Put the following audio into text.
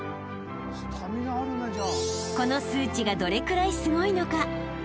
［この数値がどれくらいすごいのか］